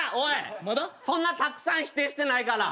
そんなたくさん否定してない。